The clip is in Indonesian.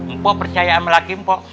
mpok percaya sama laki mpok